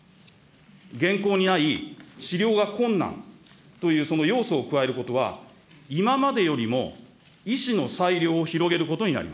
現行にない治療が困難というその要素を加えることは、今までよりも医師の裁量を広げることになり